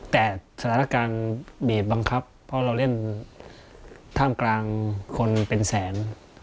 แต่สถานการณ์บีบบังคับเพราะเราเล่นท่ามกลางคนเป็นแสน